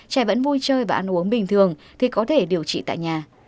trẻ vẫn vui chơi và ăn uống bình thường thì có thể điều trị tại nhà